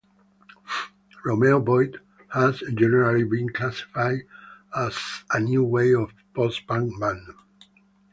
Romeo Void has generally been classified as a new wave or post-punk band.